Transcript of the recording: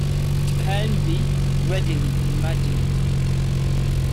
It can be readily imagined.